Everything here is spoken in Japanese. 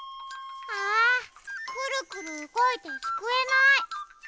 あくるくるうごいてすくえない。